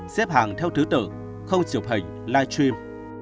xếp hàng theo thứ tự không chiều hình live stream